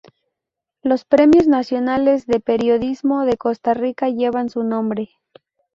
Los premios nacionales de periodismo de Costa Rica llevan su nombre.